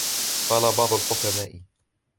قَالَ بَعْضُ الْحُكَمَاءِ